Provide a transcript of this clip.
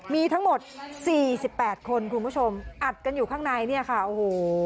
มีทั้งหมดสี่สิบแปดคนคุณผู้ชมอัดกันอยู่ข้างในเนี่ยค่ะโอ้โห